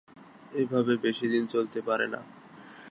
এভাবে বেশি দিন চলতে পারে না।